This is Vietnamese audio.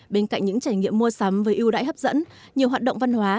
bên cạnh những trải nghiệm mua sắm với ưu đãi hấp dẫn nhiều hoạt động văn hóa